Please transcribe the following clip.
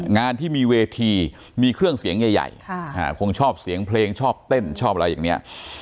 งานที่มีเวทีมีเครื่องเสียงใหญ่คงชอบเสียงเพลงชอบเต้นชอบอะไรอย่างนี้